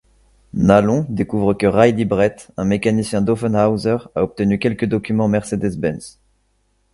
Nalon découvre que Riley Brett, un mécanicien d'Offenhauser, a obtenu quelques documents Mercedes-Benz.